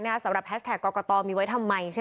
และสำหรับแฮชแท็กกอก่าตอมีไว้ทำไม